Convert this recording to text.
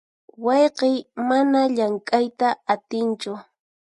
Wayqiy mana llamk'ayta atinchu.